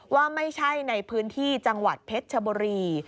ว่าไม่ใช่ในพื้นที่จังหวัดเพชรชบุรี